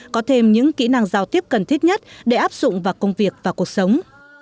có thêm những kỹ năng giao tiếp cần thiết nhất để áp dụng vào công việc và cuộc sống